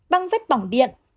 băng vết bỏng điện